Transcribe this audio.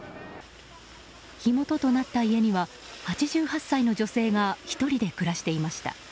火元となった家には８８歳の女性が１人で暮らしていました。